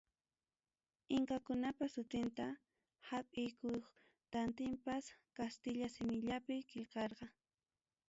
Inkakunapa sutinta hapiykuchkaptinpas, kastilla simillapi qillqarqa.